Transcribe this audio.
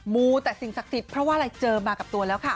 ูแต่สิ่งศักดิ์สิทธิ์เพราะว่าอะไรเจอมากับตัวแล้วค่ะ